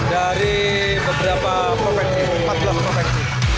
dari beberapa provinsi empat belas provinsi